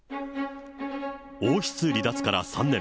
王室離脱から３年。